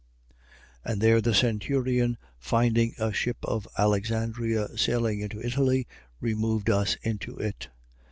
27:6. And there, the centurion, finding a ship of Alexandria sailing into Italy, removed us into it.